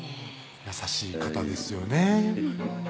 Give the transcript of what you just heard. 優しい方ですよね